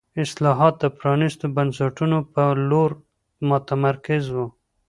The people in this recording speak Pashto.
اصلاحات د پرانیستو بنسټونو په لور متمرکز وو.